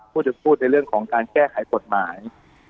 พูดในเรื่องของการแก้ไขกฎหมาย